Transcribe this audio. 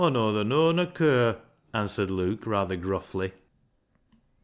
Aw noather knaaw nor cur," answered Luke rather gruffly.